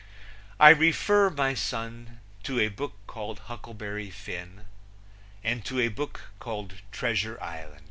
"I refer, my son, to a book called Huckleberry Finn, and to a book called Treasure Island."